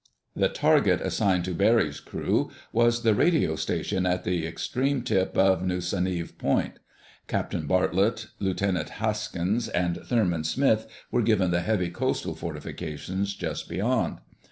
The target assigned to Barry's crew was the radio station at the extreme tip of Nusanive Point. Captain Bartlett, Lieutenant Haskins, and Thurman Smith were given the heavy coastal fortifications just beyond.